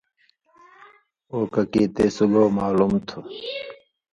”او ککی تے سُگاؤ معلوم تُھو،